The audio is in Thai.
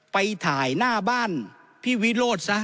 ไปถ่ายหน้าบ้านพี่วิโรธซะ